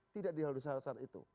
tidak didahului syarat syarat itu